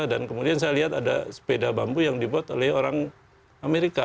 dan kemudian saya lihat ada sepeda bambu yang dibuat oleh orang amerika